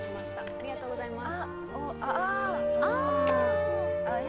ありがとうございます」